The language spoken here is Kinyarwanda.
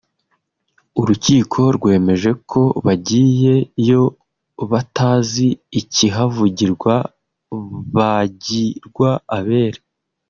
urukiko rwemeje ko bagiye yo batazi ikihavugirwa bagirwa abere